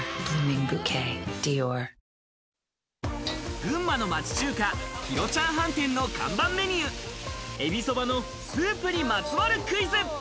群馬の町中華・広ちゃん飯店の看板メニュー、エビそばのスープにまつわるクイズ。